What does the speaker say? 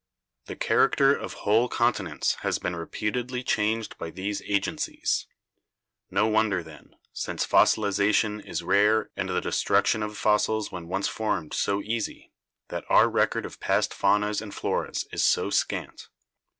The character of whole continents has been repeatedly changed by these agencies. No wonder then, since fossilization is rare and the destruc tion of fossils when once formed so easy, that our record of past faunas and floras is so scant.